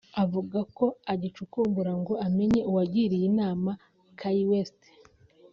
yavuze ko agicukumbura ngo amenye uwagiriye inama Kanye West